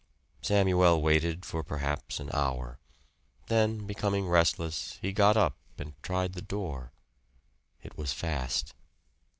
Samuel waited for perhaps an hour. Then, becoming restless, he got up and tried the door. It was fast.